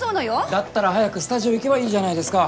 だったら早くスタジオ行けばいいじゃないですか。